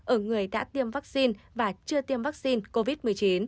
ở người đã tiêm vaccine và chưa tiêm vaccine covid một mươi chín